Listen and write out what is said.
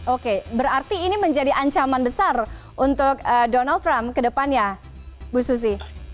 oke berarti ini menjadi ancaman besar untuk donald trump ke depannya bu susi